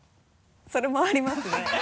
それもありますね。